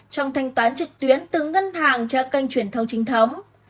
trong thanh toán trực tuyến từ ngân hàng cho kênh truyền thông chính thống